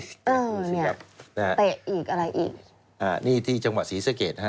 เออเนี่ยนะฮะเตะอีกอะไรอีกอ่านี่ที่จังหวัดศรีสะเกดนะฮะ